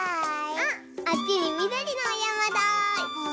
あっあっちにみどりのおやまだ。